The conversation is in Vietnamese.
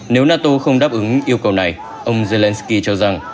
nếu nato không đáp ứng yêu cầu này ông zelensky cho rằng